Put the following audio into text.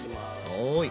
はい。